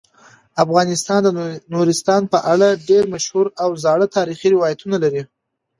افغانستان د نورستان په اړه ډیر مشهور او زاړه تاریخی روایتونه لري.